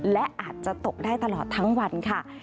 และอาจจะตกได้ตลอดทั้งวันค่ะ